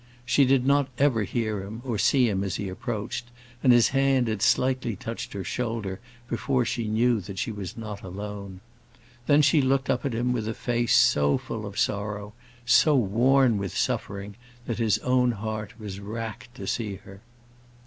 She did not ever hear him or see him as he approached, and his hand had slightly touched her shoulder before she knew that she was not alone. Then, she looked up at him with a face so full of sorrow, so worn with suffering, that his own heart was racked to see her.